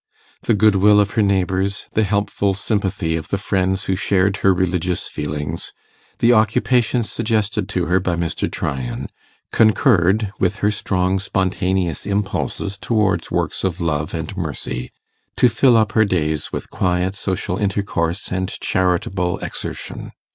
The goodwill of her neighbours, the helpful sympathy of the friends who shared her religious feelings, the occupations suggested to her by Mr. Tryan, concurred, with her strong spontaneous impulses towards works of love and mercy, to fill up her days with quiet social intercourse and charitable exertion.